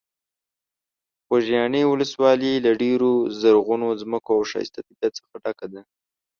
خوږیاڼي ولسوالۍ له ډېرو زرغونو ځمکو او ښایسته طبیعت څخه ډکه ده.